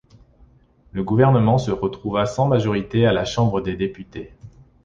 Le gouvernement se retrouva sans majorité à la Chambre des députés.